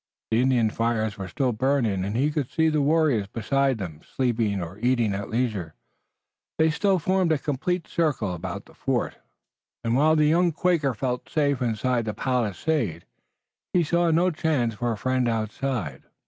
The Indian fires were still burning and he could see the warriors beside them sleeping or eating at leisure. They still formed a complete circle about the fort, and while the young Quaker felt safe inside the palisade, he saw no chance for a friend outside.